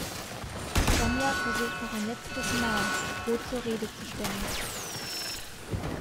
Sonia versucht noch ein letztes Mal, Bo zur Rede zu stellen.